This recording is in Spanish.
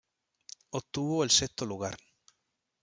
Obtuvo el sexto lugar.